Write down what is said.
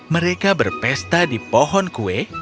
mereka berpesta di pohon kue